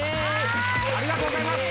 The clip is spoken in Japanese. ありがとうございます！